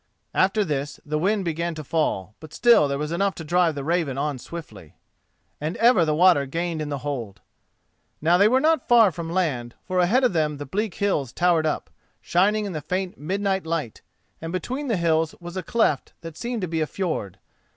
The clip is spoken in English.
After this the wind began to fall, but still there was enough to drive the Raven on swiftly. And ever the water gained in the hold. Now they were not far from land, for ahead of them the bleak hills towered up, shining in the faint midnight light, and between the hills was a cleft that seemed to be a fjord.